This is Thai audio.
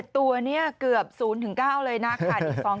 ๗ตัวเนี่ยเกือบ๐๙เลยนะครับ